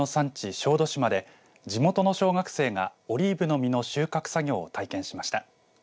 小豆島で地元の小学生がオリーブの実の収穫作業を体験しました。